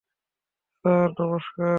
Sir, নমস্কার।